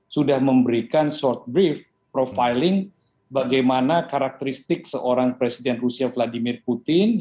sudah memberikan short brief profiling bagaimana karakteristik seorang presiden rusia vladimir putin